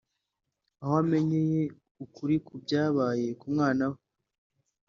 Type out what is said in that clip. Aho amenyeye ukuri kw’ibyabaye ku mwana we